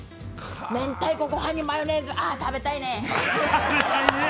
明太子ごはんにマヨネーズああ、食べたいね。